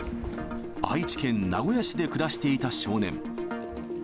愛知県名古屋市で暮らしていた少年。